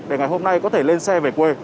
để ngày hôm nay có thể lên xe về quê